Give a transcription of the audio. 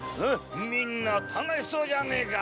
みんな楽しそうじゃねえか！